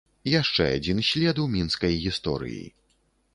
Яшчэ адзін след у мінскай гісторыі.